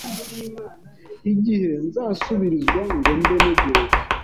igihe nzasubirizwa ngo mbe ntegereje